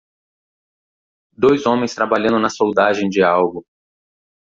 Dois homens trabalhando na soldagem de algo.